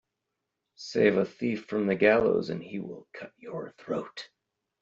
Save a thief from the gallows and he will cut your throat.